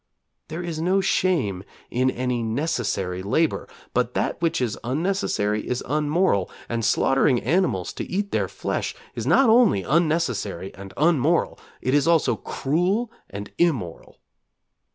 There is no shame in any necessary labour, but that which is unnecessary is unmoral, and slaughtering animals to eat their flesh is not only unnecessary and unmoral; it is also cruel and immoral.